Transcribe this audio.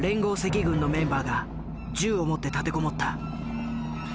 ここにのメンバーが銃を持って立てこもった。